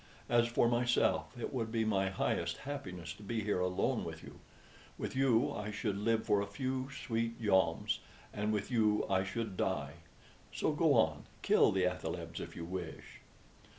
As for myself, it would be my highest happiness to be here alone with you. With you I should live for a few sweet joms, and with you I should die; so go on kill the athalebs if you wish."